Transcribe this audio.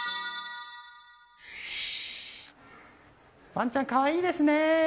ワンちゃん、可愛いですね。